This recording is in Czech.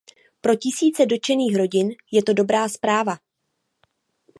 Pro tisíce dotčených rodin je to dobrá zpráva.